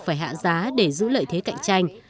dịch vụ buộc phải hạ giá để giữ lợi thế cạnh tranh